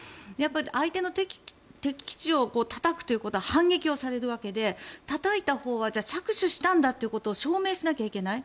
相手の敵基地をたたくということは反撃をされるということでたたいたほうはじゃあ着手したんだということを証明しなきゃいけない。